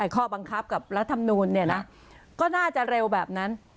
ข้อบังคับกับรัฐธรรมนูญเนี่ยนะก็น่าจะเร็วแบบนั้น